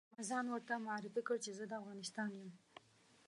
ما ځان ورته معرفي کړ چې زه د افغانستان یم.